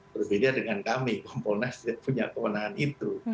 berbeda dengan kami kompolnastik punya kemenangan itu